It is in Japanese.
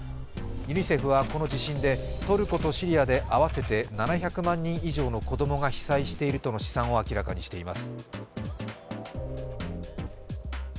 ユニセフはこの地震でトルコとシリアで合わせて７００万人以上の子供が被災しているとの試算を明らかにしています。